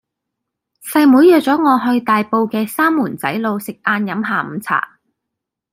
細妹約左我去大埔嘅三門仔路食晏飲下午茶